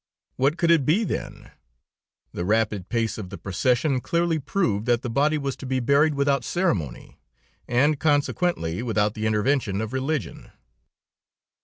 What could it be then? The rapid pace of the procession clearly proved that the body was to be buried without ceremony, and, consequently, without the intervention of religion.